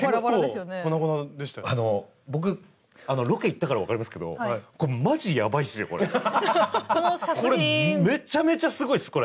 あの僕ロケ行ったから分かりますけどこれめちゃめちゃすごいっすこれ。